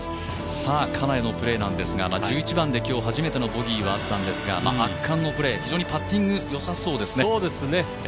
金谷のプレーなんですが１１番で今日初めてのボギーがあったんですが圧巻のプレー、非常にパッティングがよさそうですね。